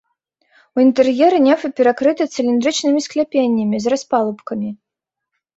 У інтэр'еры нефы перакрыты цыліндрычнымі скляпеннямі з распалубкамі.